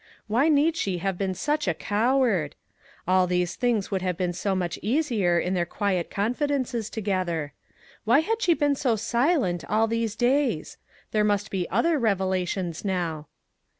Why need she have been such a coward ? All these things would have been so much easier in their quiet confidences together. Winy had she been so silent all these days ? There must be other revelations now.